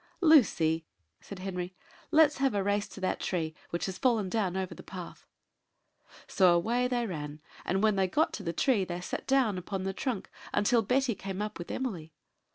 "Lucy," said Henry, "let us have a race to that tree which has fallen down over the path." So away they ran; and when they got to the tree they sat down upon the trunk until Betty came up with Emily.